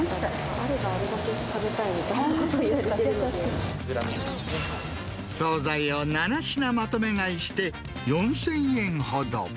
あればあるだけ食べたいって総菜を７品まとめ買いして、４０００円ほど。